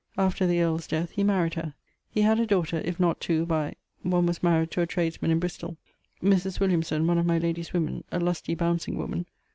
After the earle's death he married her. He had a daughter, if not two, by ...; one was maried to a tradesman in Bristowe.... Mris. Williamson, one of my lady's woemen, a lusty, bouncing woman